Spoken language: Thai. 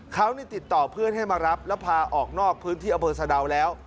เขาติดต่อเพื่อนให้มารับแล้วพาออกนอกพื้นที่อำเภอสะดาวแล้ว